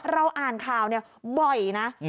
เราอ่านข่าวเนี่ยบ่อยนะ